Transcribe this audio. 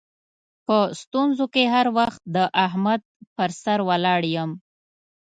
په ستونزو کې هر وخت د احمد پر سر ولاړ یم.